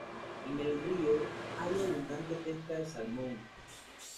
En el río hay abundante pesca del salmón.